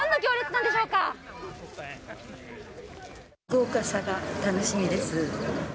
なん豪華さが楽しみです。